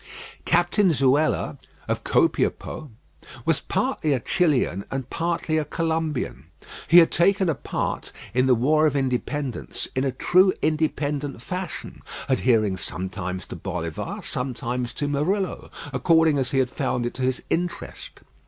Captain Zuela, of Copiapo, was partly a Chilian and partly a Columbian. He had taken a part in the War of Independence in a true independent fashion, adhering sometimes to Bolivar, sometimes to Morillo, according as he had found it to his interest.